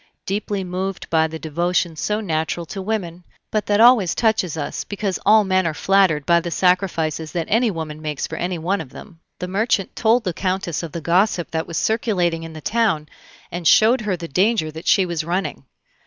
Deeply moved by the devotion so natural to women, but that always touches us, because all men are flattered by the sacrifices that any woman makes for any one of them, the merchant told the Countess of the gossip that was circulating in the town, and showed her the danger that she was running.